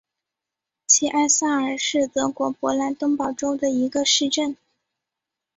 齐埃萨尔是德国勃兰登堡州的一个市镇。